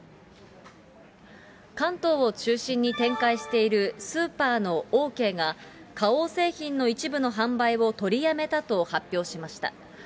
関東を中心に展開しているスーパーのオーケーが、花王製品の一部の販売を取りやめたと発表しました。